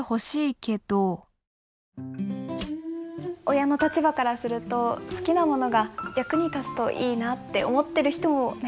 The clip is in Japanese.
親の立場からすると好きなものが役に立つといいなって思ってる人もね。